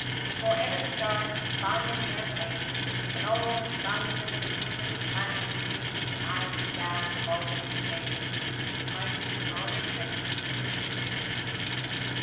Before ever the stars spun into their places, when all the suns and moons and planets were rings of fiery gas revolving in space, my doom was already written in the book of fate.'